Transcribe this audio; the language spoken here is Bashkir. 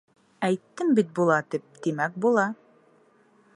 Әйттем бит, була тип, тимәк, була.